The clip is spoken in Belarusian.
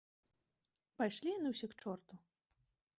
Пайшлі яны ўсе к чорту.